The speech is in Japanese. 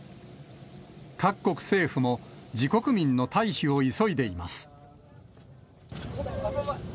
各国政府も、自国民の退避を急いでいます。